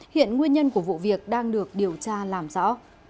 hiện nguyên nhân của vụ việc đang được điều tra làm rõ